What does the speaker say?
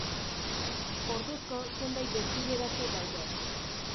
Ordezko zenbait desbideratze daude.